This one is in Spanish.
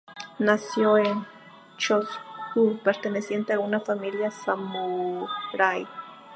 Nació en Chōshū, perteneciente a una familia samurái.